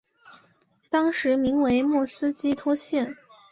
当时名为莫斯基托县。